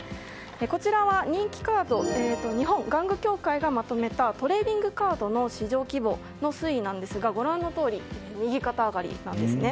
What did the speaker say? こちらは人気カード日本玩具協会がまとめたトレーディングカードの市場規模の推移なんですがご覧のとおり右肩上がりなんですね。